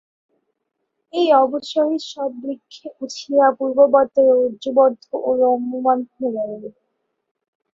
এই অবসরে শব বৃক্ষে উঠিয়া পূর্ববৎ রজ্জুবদ্ধ ও লম্বমান হইয়া রহিল।